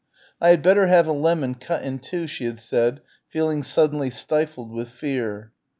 "I had better have a lemon, cut in two," she had said, feeling suddenly stifled with fear.